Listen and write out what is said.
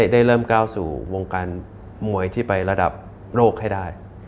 ได้เริ่มก้าวสู่วงการมวยที่ไประดับโลกให้ได้